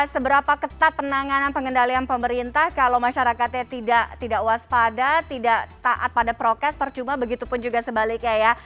seberapa ketat penanganan pengendalian pemerintah kalau masyarakatnya tidak waspada tidak taat pada prokes percuma begitu pun juga sebaliknya ya